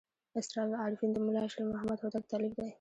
اسرار العارفین د ملا شیر محمد هوتک تألیف دی.